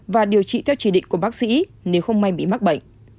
và điều trị theo chỉ định của bác sĩ nếu không may bị mắc bệnh